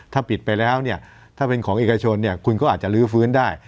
ถ้าปิดไปแล้วถ้าเป็นของเอกชนคุณก็อาจจะลื้อฟื้นได้